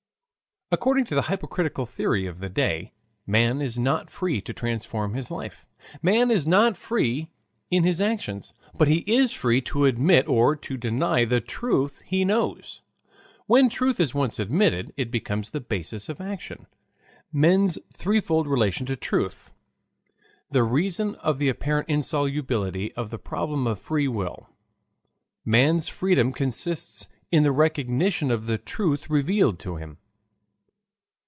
According to the Hypocritical Theory of the Day, Man is not Free to Transform his Life Man is not Free in his Actions, but he is Free to Admit or to Deny the Truth he Knows When Truth is Once Admitted, it Becomes the Basis of Action Man's Threefold Relation to Truth The Reason of the Apparent Insolubility of the Problem of Free Will Man's Freedom Consists in the Recognition of the Truth Revealed to him.